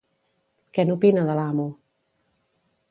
Què n'opina de l'amo?